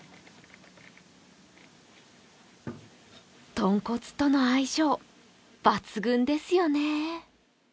豚骨との相性、抜群ですよね。